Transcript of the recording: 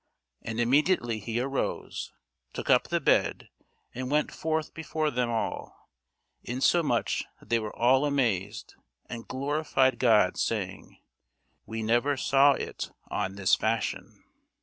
And immediately he arose, took up the bed, and went forth before them all; insomuch that they were all amazed, and glorified God, saying, We never saw it on this fashion.